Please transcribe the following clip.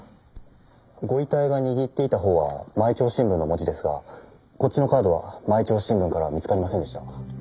ご遺体が握っていたほうは『毎朝新聞』の文字ですがこっちのカードは『毎朝新聞』からは見つかりませんでした。